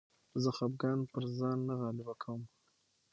زه خپګان پر ځان نه غالبه کوم.